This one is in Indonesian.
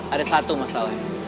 ada satu masalah